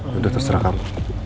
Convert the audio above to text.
yaudah terserah kamu